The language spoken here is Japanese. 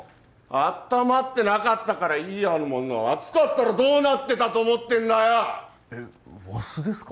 あったまってなかったからいいようなもんの熱かったらどうなってたと思ってんだよえッわしですか？